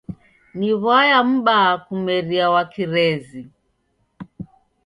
Ni w'aya m'baa kumeria wa kirezi!